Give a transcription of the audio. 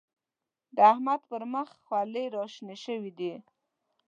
د احمد پر مخ خلي راشنه شوي دی.